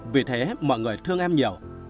vì thế mọi người thương em nhiều